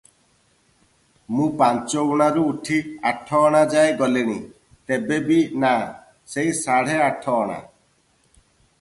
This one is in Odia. ମୁଁ ପାଞ୍ଚଅଣାରୁ ଉଠି ଆଠଅଣା ଯାଏ ଗଲିଣି, ତେବେ, ବି ନା, ସେଇ ସାଢେ ଆଠଅଣା ।